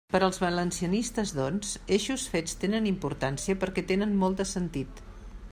Per als valencianistes, doncs, eixos fets tenen importància perquè tenen molt de sentit.